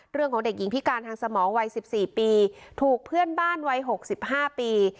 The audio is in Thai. เรื่องของเด็กหญิงพิการทางสมองวัย๑๔ปีถูกเพื่อนบ้านวัย๖๕ปี